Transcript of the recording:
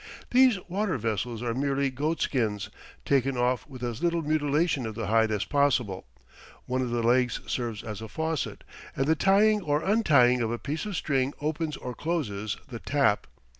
These water vessels are merely goat skins, taken off with as little mutilation of the hide as possible; one of the legs serves as a faucet, and the tying or untying of a piece of string opens or closes the "tap."